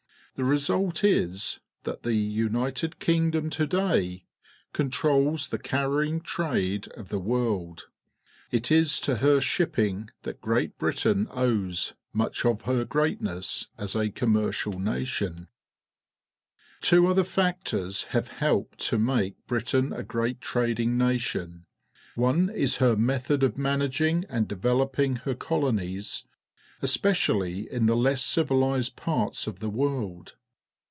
The result is that the United Kingdom to day controls the carrying trade of the world. It is to her shipping that Great Britain owes much of her greatness as a commercial nation. ENGLAND AND WALES 167 Two other factors have helped to make Britain a great trading nation. One is her method of managing and developing her colonies, especially in the less civilized parts of the world.